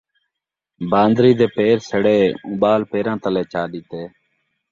بان٘دری دے پیر سڑے اوں ٻال پیراں تلے چا ݙتے